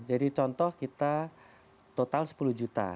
jadi contoh kita total sepuluh juta